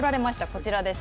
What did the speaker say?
こちらです。